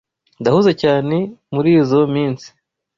Ndahuze cyane murizoi minsi.